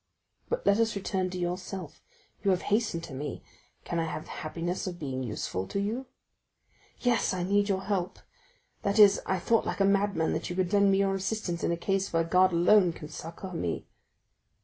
But let us return to yourself. You have hastened to me—can I have the happiness of being useful to you?" 40286m "Yes, I need your help: that is I thought like a madman that you could lend me your assistance in a case where God alone can succor me."